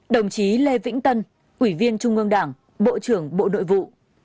ba mươi đồng chí lê vĩnh tân ủy viên trung ương đảng bộ trưởng bộ đội vụ